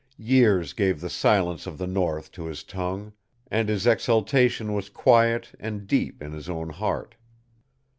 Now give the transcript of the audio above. Years gave the silence of the North to his tongue, and his exultation was quiet and deep in his own heart.